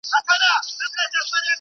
دوراني پانګه په بازار کي نه ودریږي.